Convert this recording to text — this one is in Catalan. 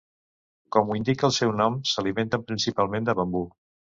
Com ho indica el seu nom, s'alimenten principalment de bambú.